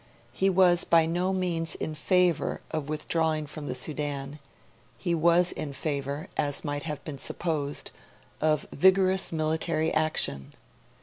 He was by no means in favour of withdrawing from the Sudan; he was in favour, as might have been supposed, of vigorous military action.